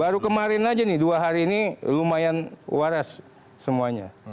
baru kemarin aja nih dua hari ini lumayan waras semuanya